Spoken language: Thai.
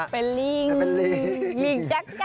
เป็นลิงลิงจั๊ก